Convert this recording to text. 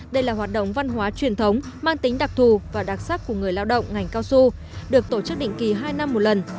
đây là hoạt động văn hóa truyền thống mang tính đặc thù và đặc sắc của người lao động ngành cao su được tổ chức định kỳ hai năm một lần